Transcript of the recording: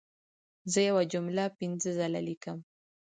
زه یوه جمله پنځه ځله لیکم.